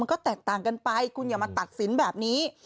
ก็แตกต่างกันไปคุณอย่ามาตัดสินแบบนี้